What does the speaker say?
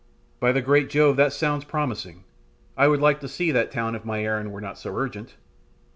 "By the great Jove, that sounds promising! I would like to see that town if my errand were not so urgent."